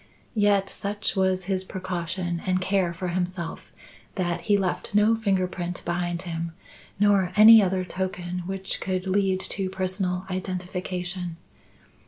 Yet such was his precaution and care for himself that he left no finger print behind him nor any other token which could lead to personal identification.